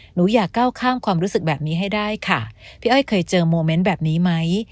หนูอยากก้าวข้ามความรู้สึกแบบนี้ให้ได้ค่ะพี่อ้อยเคยเจอโมเมนต์แบบนี้ไหม